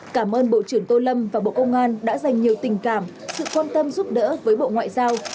cảm ơn bộ trưởng tô lâm và bộ công an đã dành nhiều tình cảm sự quan tâm giúp đỡ với bộ ngoại giao